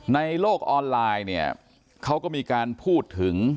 ในโลกออนไลน์เนี่ยเขาก็มีการพูดถึง